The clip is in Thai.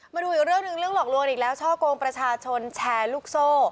มาดูเรื่องหลอกลวงอีกแล้วช่องโครงประชาชนแชลุกโซ